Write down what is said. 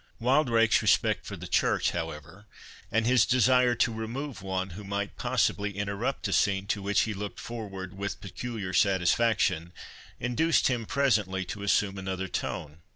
Wildrake's respect for the Church, however, and his desire to remove one who might possibly interrupt a scene to which he looked forward with peculiar satisfaction, induced him presently to assume another tone.